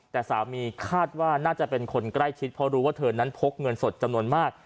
แต่สามีคาดว่าน่าจะเป็นคนใกล้ชิดเพราะรู้ว่าเธอนั้นพกเงินสดจำนวนมาก